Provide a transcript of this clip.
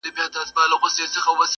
نه ماتېږي مي هیڅ تنده بېله جامه,